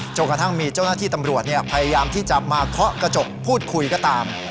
กระทั่งมีเจ้าหน้าที่ตำรวจพยายามที่จะมาเคาะกระจกพูดคุยก็ตาม